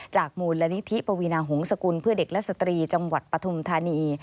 มูลนิธิปวีนาหงษกุลเพื่อเด็กและสตรีจังหวัดปฐุมธานี